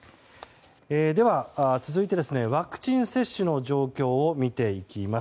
では、続いてワクチン接種の状況を見ていきます。